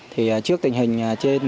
thì trước tình hình trên